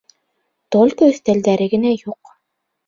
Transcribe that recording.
Только өҫтәлдәре генә юҡ.